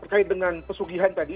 berkait dengan pesugihan tadi